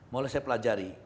mulai saya pelajari